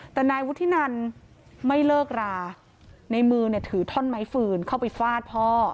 แต่นายวุฒินันไม่เลิกราในมือเนี่ยถือท่อนไม้ฟืนเข้าไปฟาดพ่อ